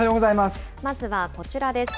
まずはこちらです。